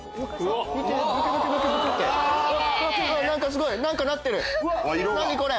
すごい！何かなってる何これ！